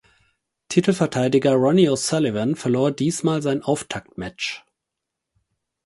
Titelverteidiger Ronnie O’Sullivan verlor diesmal sein Auftaktmatch.